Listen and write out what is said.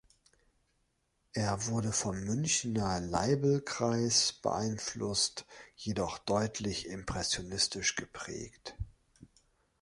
Er wurde vom Münchner Leibl-Kreis beeinflusst, jedoch deutlich impressionistisch geprägt.